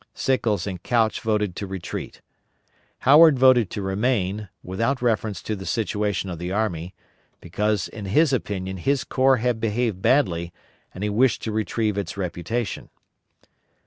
Sickles and Couch voted to retreat. Howard voted to remain, without reference to the situation of the army, because in his opinion his corps had behaved badly, and he wished to retrieve its reputation.